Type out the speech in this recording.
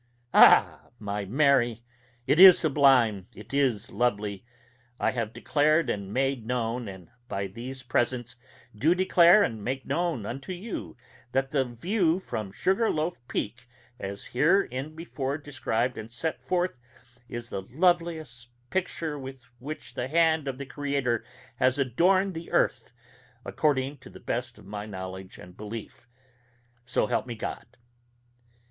Ah! my Mary, it is sublime! it is lovely! I have declared and made known, and by these presents do declare and make known unto you, that the view from Sugar Loaf Peak, as hereinbefore described and set forth, is the loveliest picture with which the hand of the Creator has adorned the earth, according to the best of my knowledge and belief, so help me God.